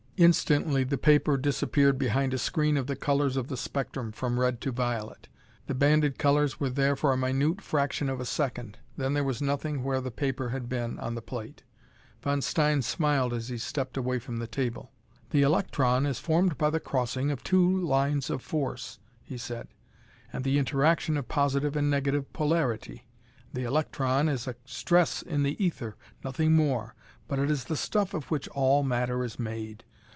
Instantly the paper disappeared behind a screen of the colors of the spectrum, from red to violet. The banded colors were there for a minute fraction of a second. Then there was nothing where the paper had been on the plate. Von Stein smiled as he stepped away from the table. "The electron is formed by the crossing of two lines of force," he said, "and the interaction of positive and negative polarity. The electron is a stress in the ether, nothing more, but it is the stuff of which all matter is made.